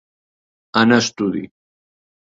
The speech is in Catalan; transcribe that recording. Anar a estudi.